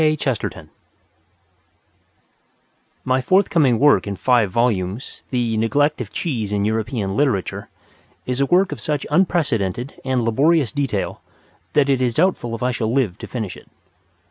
Cheese My forthcoming work in five volumes, "The Neglect of Cheese in European Literature" is a work of such unprecedented and laborious detail that it is doubtful if I shall live to finish it.